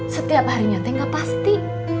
setiap harinya teh nggak pasti